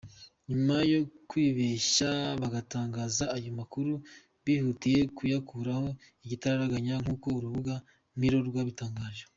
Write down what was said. Nyuma yo kwibeshya bagatangaza ayo makuru, bihutiye kuyakuraho igitaraganya nk’uko urubuga Mirror rwabitangaje.